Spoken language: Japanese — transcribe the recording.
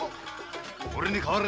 俺に代われ。